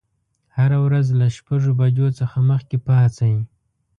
هره ورځ له شپږ بجو څخه مخکې پاڅئ.